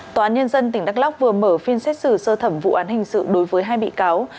tòa án nhân dân tỉnh đắk lóc vừa mở phiên xét xử sơ thẩm vụ án hình sự đối với hai bị cáo